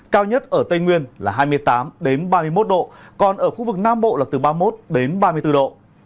cao nhất ở tây nguyên là hai mươi tám ba mươi một độ còn ở khu vực nam bộ là từ ba mươi một đến ba mươi bốn độ